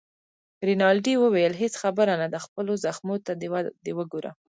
رینالډي وویل: هیڅ خبره نه ده، خپلو زخمو ته دې وګوره.